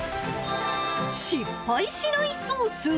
失敗しないソース？